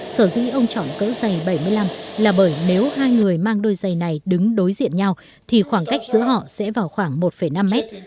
sở dĩ ông chọn cỡ dày bảy mươi năm là bởi nếu hai người mang đôi giày này đứng đối diện nhau thì khoảng cách giữa họ sẽ vào khoảng một năm mét